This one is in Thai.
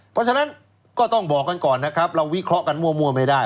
เพราะฉะนั้นก็ต้องบอกกันก่อนนะครับเราวิเคราะห์กันมั่วไม่ได้